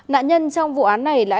nạn nhân trong vụ án này là